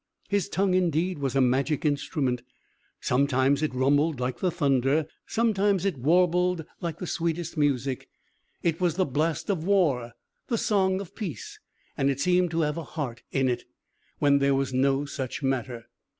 His tongue, indeed, was a magic instrument: sometimes it rumbled like the thunder; sometimes it warbled like the sweetest music. It was the blast of war the song of peace; and it seemed to have a heart in it, when there was no such matter.